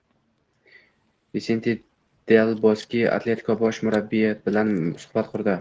Visente del Boske Atletiko bosh murabbiyi bilan suhbat qurdi